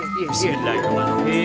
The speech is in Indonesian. siap siap siap